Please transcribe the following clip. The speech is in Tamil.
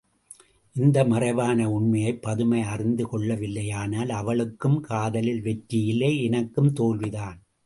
இந்த மறைவான உண்மையைப் பதுமை அறிந்து கொள்ளவில்லையானால் அவளுக்கும் காதலில் வெற்றியில்லை எனக்கும் தோல்விதான்!